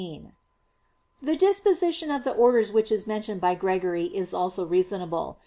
The disposition of the orders which is mentioned by Gregory is also reasonable.